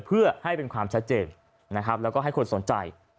เพื่อให้เป็นความชัดเจนนะครับแล้วก็ให้คนสนใจ